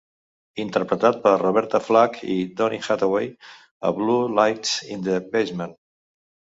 Interpretat per Roberta Flack i Donny Hathaway a "Blue Lights in the Basement"